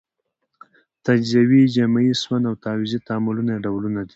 تجزیوي، جمعي، سون او تعویضي تعاملونه یې ډولونه دي.